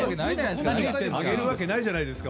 あげるわけないじゃないですか。